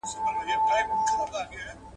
تور وېښته مي په دې لاره کي سپین سوي !.